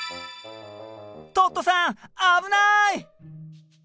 トットさん危ない！